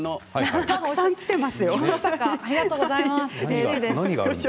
ありがとうございます。